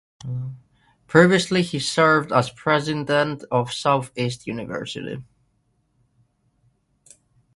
Previously he served as president of Southeast University.